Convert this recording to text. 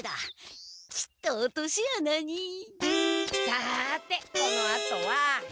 さてこのあとは。